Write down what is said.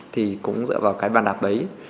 thì cũng dựa vào cái bàn đạp đấy